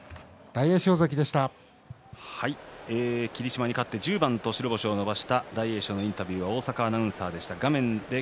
霧島に勝って１０番と白星を伸ばした大栄翔のインタビューでした。